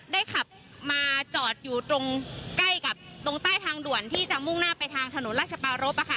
ขับมาจอดอยู่ตรงใกล้กับตรงใต้ทางด่วนที่จะมุ่งหน้าไปทางถนนราชปารพ